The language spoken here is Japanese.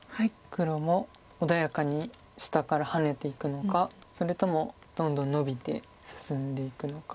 黒も穏やかに下からハネていくのかそれともどんどんノビて進んでいくのか。